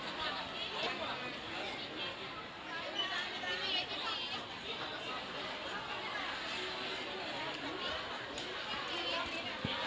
ทั้งแต่มันแถมรู้ว่าอะไรอยู่